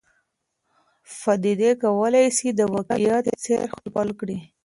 پدیدې کولای سي د واقعیت څېره خپل کړي.